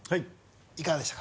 いかがでしたか？